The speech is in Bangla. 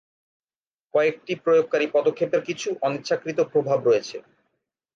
কয়েকটি প্রয়োগকারী পদক্ষেপের কিছু অনিচ্ছাকৃত প্রভাব রয়েছে।